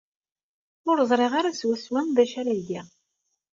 Ur ẓriɣ ara swaswa d acu ara geɣ.